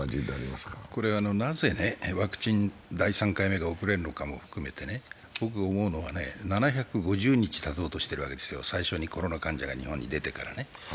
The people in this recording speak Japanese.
なぜワクチン第３回目が遅れるのかも含めて、思うのは、７５０日たとうとしているんです、最初にコロナ患者が日本に出てから。